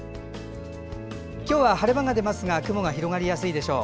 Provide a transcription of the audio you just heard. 今日は晴れ間は出ますが雲が広がりやすいでしょう。